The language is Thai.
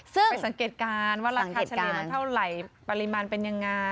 ซึ่งไปสังเกตการณ์ว่าราคาเฉลี่ยมันเท่าไหร่ปริมาณเป็นยังไง